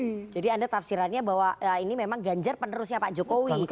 itu ditafsirannya bahwa ini memang ganjar penerusnya pak jokowi